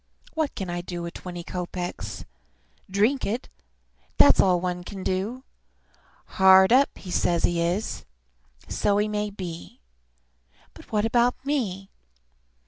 What can I do with twenty kopeks? Drink it that's all one can do! Hard up, he says he is! So he may be but what about me?